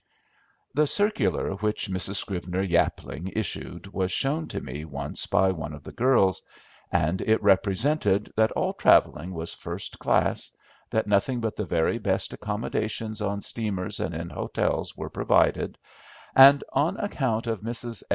The circular which Mrs. Scrivener Yapling issued was shown to me once by one of the girls, and it represented that all travelling was first class, that nothing but the very best accommodations on steamers and in hotels were provided, and on account of Mrs. S.